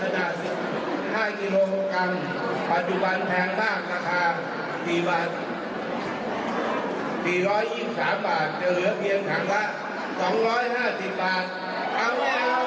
เจ้าแมวเจ้าแมว